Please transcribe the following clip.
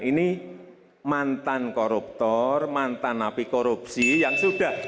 ini mantan koruptor mantan api korupsi yang sudah